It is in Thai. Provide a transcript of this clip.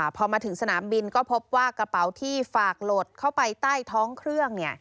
พอมาถึงสนามบินก็พบว่ากระเป๋าที่ฝากหลดเข้าไปใต้ท้องเครื่อง